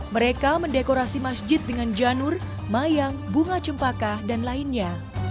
mereka mendekorasi masjid dengan janur mayang bunga cempaka dan lainnya